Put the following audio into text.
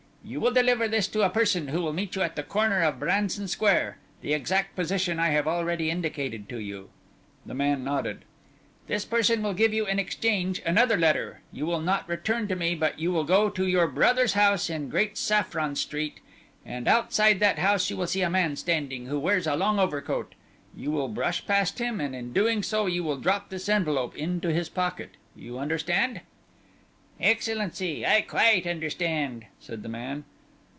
"You will deliver this to a person who will meet you at the corner of Branson Square. The exact position I have already indicated to you." The man nodded. "This person will give you in exchange another letter. You will not return to me but you will go to your brother's house in Great Saffron Street, and outside that house you will see a man standing who wears a long overcoat. You will brush past him, and in doing so you will drop this envelope into his pocket you understand?" "Excellency, I quite understand," said the man.